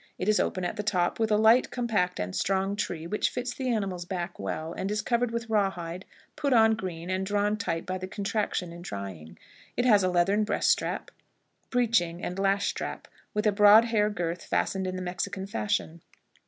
It is open at the top, with a light, compact, and strong tree, which fits the animal's back well, and is covered with raw hide, put on green, and drawn tight by the contraction in drying. It has a leathern breast strap, breeching, and lash strap, with a broad hair girth fastened in the Mexican fashion.